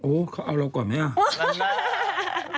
เขาเอาเราก่อนไหมอ่ะ